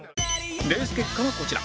レース結果はこちら